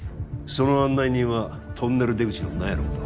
その案内人はトンネル出口の納屋のことは？